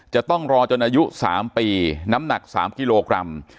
จะต้องรอจนอายุสามปีน้ำหนักสามกิโลกรัมอ่า